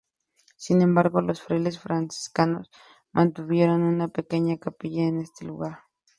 Sin embargo, los frailes franciscanos mantuvieron una pequeña capilla en este lugar.